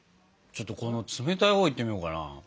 ちょっとこの冷たいほういってみようかな。